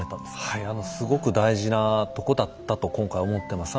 はいあのすごく大事なとこだったと今回思ってます。